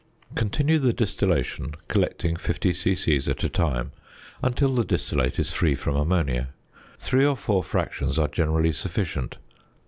Continue the distillation, collecting 50 c.c. at a time, until the distillate is free from ammonia. Three or four fractions are generally sufficient.